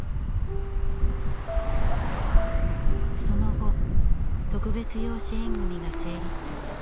その後特別養子縁組が成立。